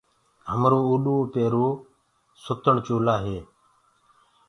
هميرو اوڏڻ پيرڻ سنڌي سلوآر ڪمج هي۔